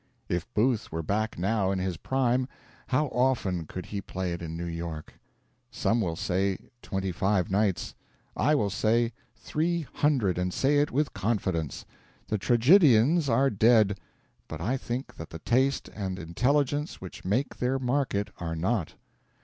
If Booth were back now in his prime, how often could he play it in New York? Some will say twenty five nights. I will say three hundred, and say it with confidence. The tragedians are dead; but I think that the taste and intelligence which made their market are not.